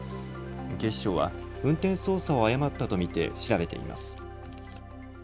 警視庁は運転操作を誤ったと見て調べています。